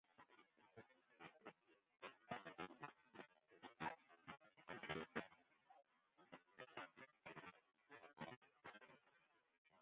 Sjoernalisten hawwe tiisdeitemoarn in rûnlieding krigen op it melkfeebedriuw.